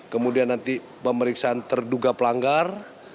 kemudian nanti pemeriksaan terduga pelanggar